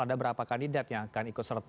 ada berapa kandidat yang akan ikut serta